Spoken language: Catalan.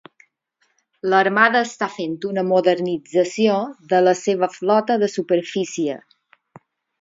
L"armada està fent una modernització de la seva flota de superfície.